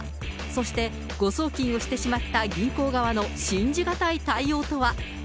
そして、誤送金をしてしまった銀行側の信じ難い対応とは。